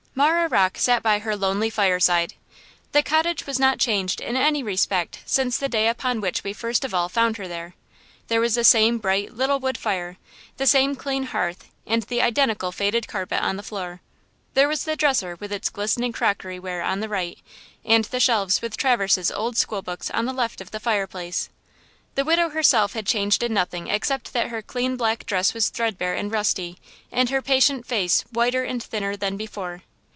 MARAH ROCKE sat by her lonely fireside. The cottage was not changed in any respect since the day upon which we first of all found her there. There was the same bright, little wood fire; the same clean hearth and the identical faded carpet on the floor. There was the dresser with its glistening crockery ware on the right, and the shelves with Traverse's old school books on the left of the fireplace. The widow herself had changed in nothing except that her clean black dress was threadbare and rusty, and her patient face whiter and thinner than before.